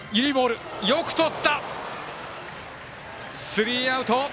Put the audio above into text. スリーアウト。